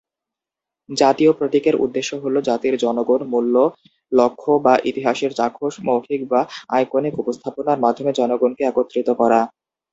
জাতীয় প্রতীকের উদ্দেশ্য হলো জাতির জনগণ, মূল্য, লক্ষ্য বা ইতিহাসের চাক্ষুষ, মৌখিক বা আইকনিক উপস্থাপনার মাধ্যমে জনগণকে একত্রিত করা।